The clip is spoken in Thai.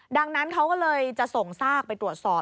ดังนั้นเขาก็เลยจะส่งซากไปตรวจสอบ